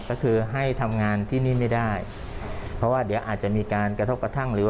ก็คือให้ทำงานที่นี่ไม่ได้เพราะว่าเดี๋ยวอาจจะมีการกระทบกระทั่งหรือว่า